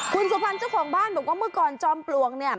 คุณสุพรรณเจ้าของบ้านบอกว่าเมื่อก่อนจอมปลวกเนี่ย